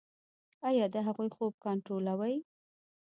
ایا د هغوی خوب کنټرولوئ؟